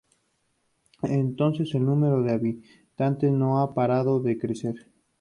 Desde entonces el número de habitantes no ha parado de crecer.